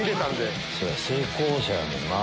成功者やもんな。